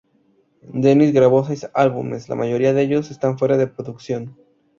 Dennis grabó seis álbumes, la mayoría de ellos están fuera de producción.